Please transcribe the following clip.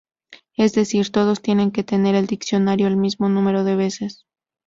Es decir: todos tienen que tener el diccionario el mismo número de veces.